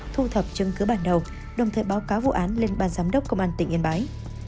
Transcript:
thu thập chứng cứ bản đầu đồng thời báo cáo vụ án lên ban giám đốc công an tỉnh yên bái